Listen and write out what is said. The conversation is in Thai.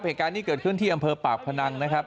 เหตุการณ์นี้เกิดขึ้นที่อำเภอปากพนังนะครับ